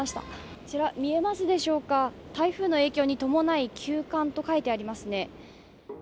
あちら見えますでしょうか、台風の影響に伴い休館と書いてありますね。